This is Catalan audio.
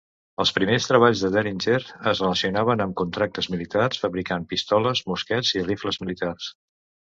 Els primers treballs de Deringer es relacionaven amb contractes militars, fabricant pistoles, mosquets i rifles militars.